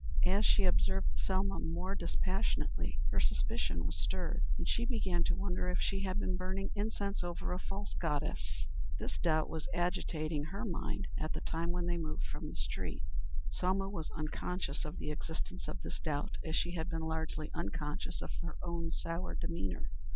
As she observed Selma more dispassionately her suspicion was stirred, and she began to wonder if she had been burning incense before a false goddess. This doubt was agitating her mind at the time when they moved from the street. Selma was unconscious of the existence of this doubt as she had been largely unconscious of her own sour demeanor.